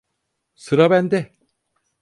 Sıra bende.